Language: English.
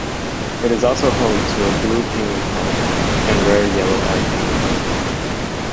It is also home to a blue penguin colony, and rare yellow eyed penguins.